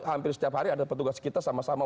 hampir setiap hari ada petugas kita sama sama